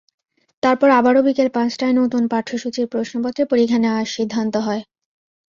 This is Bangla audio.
তারপর আবারও বিকেল পাঁচটায় নতুন পাঠ্যসূচির প্রশ্নপত্রে পরীক্ষা নেওয়ার সিদ্ধান্ত হয়।